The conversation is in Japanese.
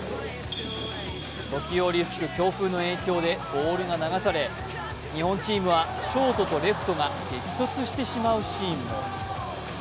時折吹く強風の影響でボールが流され日本チームはショートとレフトが激突してしまうシーンも。